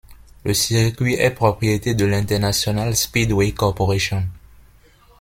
Le circuit est propriété de l'International Speedway Corporation.